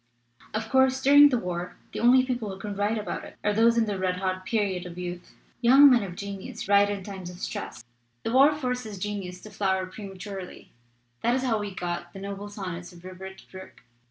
"Of course, during the war the only people who can write about it are those who are in the red hot period of youth. Young men of genius write in times of stress. The war forces genius to flower prematurely that is how we got the noble sonnets of Rupert Brooke.